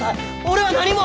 俺は何も。